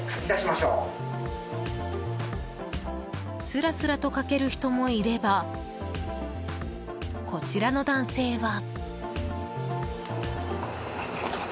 すらすらと書ける人もいればこちらの男性は。